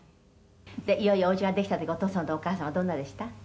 「いよいよお家ができた時お父さんとお母さんはどんなでした？」